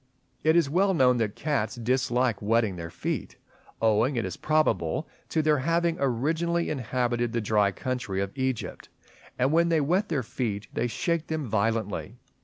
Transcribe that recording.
It is well known that cats dislike wetting their feet, owing, it is probable, to their having aboriginally inhabited the dry country of Egypt; and when they wet their feet they shake them violently.